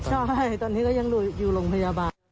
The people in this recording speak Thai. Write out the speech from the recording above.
ใช่ตอนนี้ก็ยังอยู่โรงพยาบาล